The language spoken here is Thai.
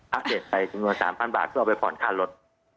พระเด็ดไปจึงว่า๓๐๐๐บาทเขาเอาไปผ่อนค่ารถ